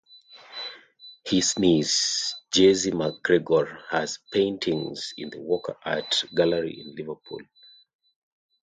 His niece, Jessie MacGregor has paintings in the Walker Art Gallery in Liverpool.